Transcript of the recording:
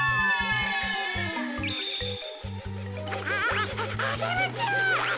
ああアゲルちゃん。